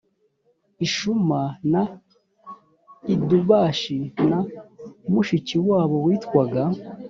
ishuma na idubashi na mushiki wabo yitwaga